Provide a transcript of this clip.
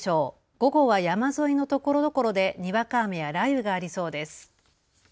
午後は山沿いのところどころでにわか雨や雷雨がありそうです。